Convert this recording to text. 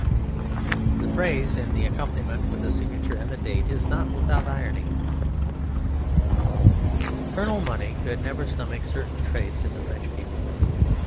The phrase, in accompaniment with the signature and the date, is not without irony. Colonel Money could never stomach certain traits in the French people.